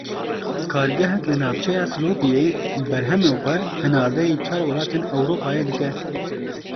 Kargehek li navçeya Silopiyê berhemên xwe hinardeyî çar welatên Ewropayê dike.